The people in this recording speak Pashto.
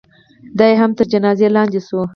دا یې هم تر جنازې لاندې شوه.